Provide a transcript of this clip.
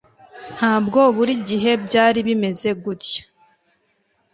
Ntabwo buri gihe byari bimeze gutya